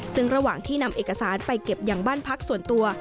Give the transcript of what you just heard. ซึ่งระหว่างที่นำเอกสารไปเก็บอย่างบ้านพักส่วนตัว